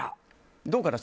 どうかな？